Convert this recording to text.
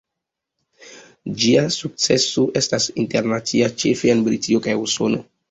Ĝia sukceso estas internacia, ĉefe en Britio kaj Usono.